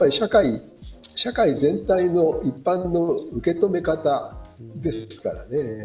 社会全体の一般の受け止め方ですからね。